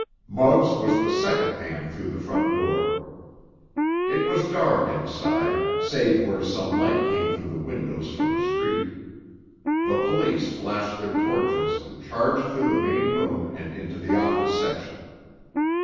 Muggs was the second man through the front door. It was dark inside, save where some light came through the windows from the street. The police flashed their torches and charged through the main room and into the office section.